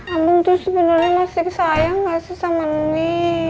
abang tuh sebenernya masih kesayang gak sih sama nmi